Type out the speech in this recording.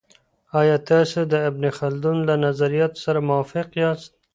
آیا تاسو د ابن خلدون له نظریاتو سره موافق یاست؟